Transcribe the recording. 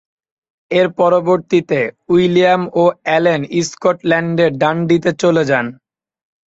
এর পরিবর্তে, উইলিয়াম ও এলেন স্কটল্যান্ডের ডান্ডিতে চলে যান।